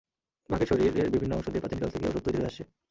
বাঘের শরীরের বিভিন্ন অংশ দিয়ে প্রাচীনকাল থেকে ওষুধ তৈরি হয়ে আসছে।